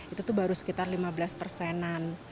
itu tuh baru sekitar lima belas persenan